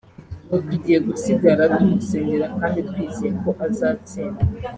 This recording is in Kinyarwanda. ubu tugiye gusigara tumusengera kandi twizeye ko azatsinda”